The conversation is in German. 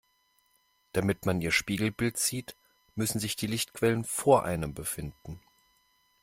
Damit man ihr Spiegelbild sieht, müssen sich die Lichtquellen vor einem befinden.